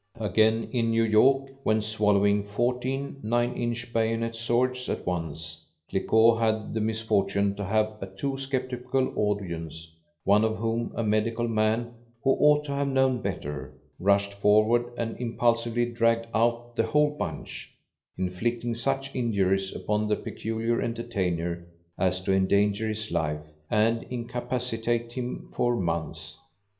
Again, in New York, when swallowing 14 nine inch bayonet swords at once, Cliquot had the misfortune to have a too sceptical audience, one of whom, a medical man who ought to have known better, rushed forward and impulsively dragged out the whole bunch, inflicting such injuries upon this peculiar entertainer as to endanger his life, and incapacitate him for months.